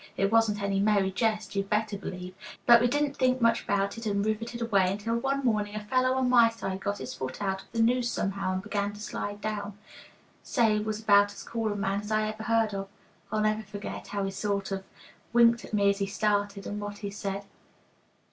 It wasn't any merry jest, you'd better believe, but we didn't think much about it and riveted away, until one morning a fellow on my side got his foot out of the noose somehow, and began to slide down. Say, he was about as cool a man as I ever heard of. I'll never forget how he sort of winked at me as he started, and what he said.